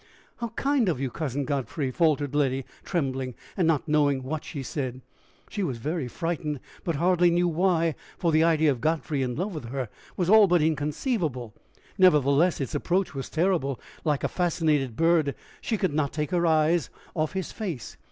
"How kind of you, Cousin Godfrey!" faltered Letty, trembling, and not knowing what she said. She was very frightened, but hardly knew why, for the idea of Godfrey in love with her was all but inconceivable. Nevertheless, its approach was terrible. Like a fascinated bird she could not take her eyes off his face.